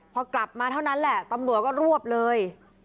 พอกลับมาเท่านั้นแหละตำรวจก็รวบเลย